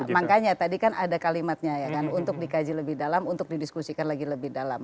makanya tadi kan ada kalimatnya ya kan untuk dikaji lebih dalam untuk didiskusikan lagi lebih dalam